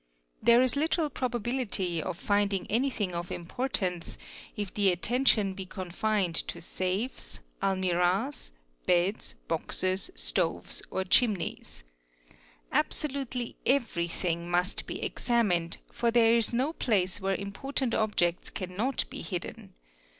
There is little probability of finding anything of importance if the attention be confined to safes, almirahs, beds, boxes, stoves, or chimneys. Absolutely every thing must be examined, for there is no place where important objects cannot be hidden.